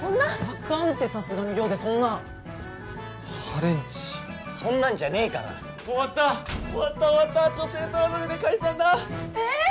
あかんってさすがに寮でそんな破廉恥そんなんじゃねえから終わった終わった終わった女性トラブルで解散だええ！？